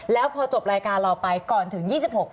แล้วพอจบรายการเราไปก่อนถึง๒๖